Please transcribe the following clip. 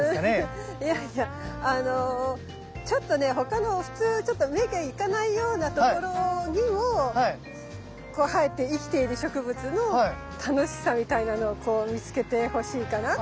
いやいやあのちょっとね他の普通ちょっと目が行かないような所にも生えて生きている植物の楽しさみたいなのをこう見つけてほしいかなっていう。